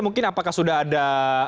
mungkin apakah sudah ada